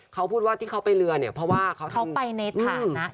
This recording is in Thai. เขาพูดว่าที่เขาไปเรือเนี่ยเพราะว่าเขาไปในฐานะ